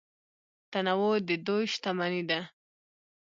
تنوع د دوی شتمني ده.